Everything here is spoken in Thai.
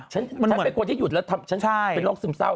ฉันเป็นคนที่หยุดแล้วฉันเป็นโรคซึมเศร้า